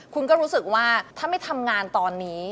คุณก็รู้สึกว่าถ้าไม่ทำงานตอนนี้